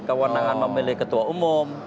kewenangan memilih ketua umum